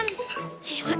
tuh soe buat apaan